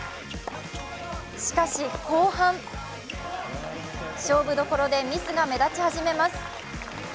しかし後半勝負どころでミスが目立ち始めます。